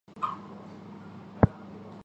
长触合跳蛛为跳蛛科合跳蛛属的动物。